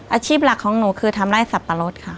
อาชีพหลักของหนูคือทำร่ายทรัพโปรตค่ะ